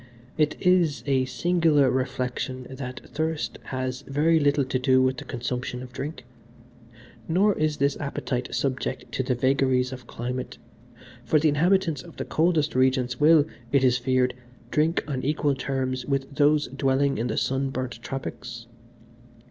"It is a singular reflection that thirst has very little to do with the consumption of drink, nor is this appetite subject to the vagaries of climate, for the inhabitants of the coldest regions will, it is feared, drink on equal terms with those dwelling in the sun burnt tropics.